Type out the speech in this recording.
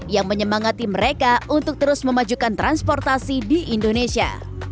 yang menyemangati mereka untuk terus memajukan transportasi di indonesia